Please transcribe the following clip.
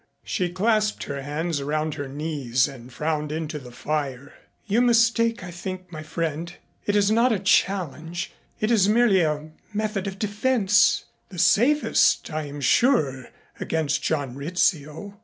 She clasped her hands around her knees and frowned into the fire. "You mistake, I think, my friend. It is not a challenge. It is merely a method of defense the safest, I am sure, against John Rizzio."